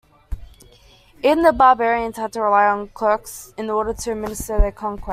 Even the barbarians had to rely on clerics in order to administer their conquests.